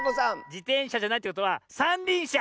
じてんしゃじゃないということはさんりんしゃ！